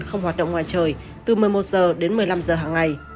không hoạt động ngoài trời từ một mươi một h đến một mươi năm h hàng ngày